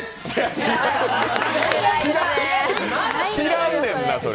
知らんねんな、それ。